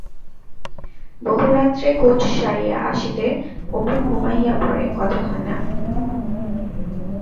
বহু রাত্রে কোজ সারিয়া আসিতে অপু ঘুমাইয়া পড়ে, কথা হয় না।